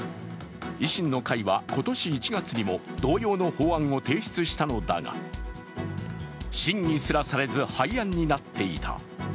維新の会は今年１月にも同様の法案を提出したのだが審議すらされず廃案になっていた。